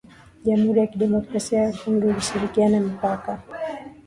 jamuhuri ya kidemokrasia ya Kongo inashirikiana mipaka